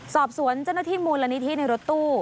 สอบสวนเจ้าหน้าที่มูลนิธิในรถตู้